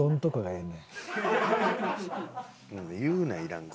言うないらん事。